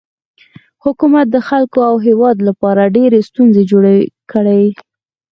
حکومت د خلکو او هیواد لپاره ډیرې ستونزې جوړې کړي.